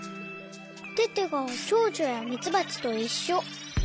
テテがチョウチョやミツバチといっしょ。